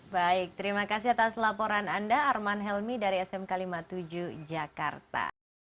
baik terima kasih atas laporan anda arman helmi dari smk lima puluh tujuh jakarta